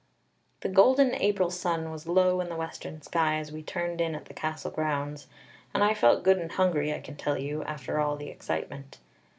The golden April sun was low in the western sky as we turned in at the castle grounds, and I felt good and hungry, I can tell you, after all the excitement.